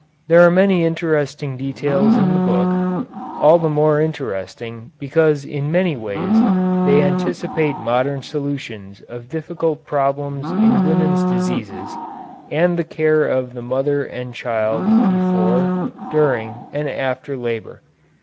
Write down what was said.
There are many interesting details in the book, all the more interesting because in many ways they anticipate modern solutions of difficult problems in women's diseases, and the care of the mother and child before, during, and after labor.